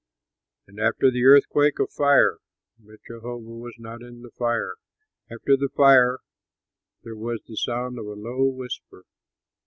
And after the earthquake a fire; but Jehovah was not in the fire. After the fire there was the sound of a low whisper.